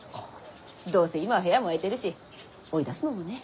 どうせ今は部屋も空いてるし追い出すのもね。